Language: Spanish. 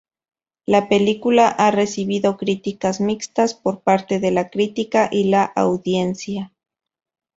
La película ha recibido críticas mixtas por parte de la crítica y la audiencia.